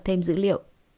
thêm dữ liệu